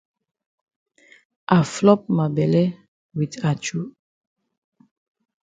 I flop ma bele wit achu.